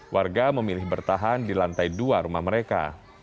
warga memilih bertahan di lantai dua rumah mereka